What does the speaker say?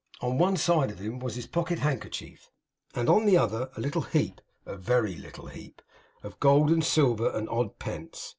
On one side of him was his pocket handkerchief; and on the other a little heap (a very little heap) of gold and silver, and odd pence.